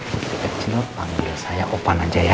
putri kecil panggil saya opan aja ya